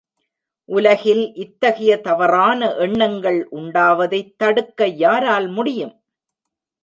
உலகில் இத்தகைய தவறான எண்ணங்கள் உண்டாவதைத் தடுக்க யாரால் முடியும்?